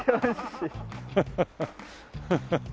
ハハハハハ！